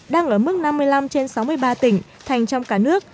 đang ở mức năm mươi năm trên sáu mươi ba tỉnh thành trong cả nước